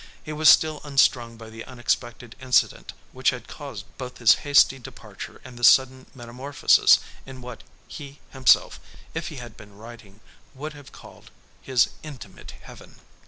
He was still unstrung by the unexpected incident which had caused both his hasty departure and the sudden metamorphosis in what he himself, if he had been writing, would have called his "intimate heaven."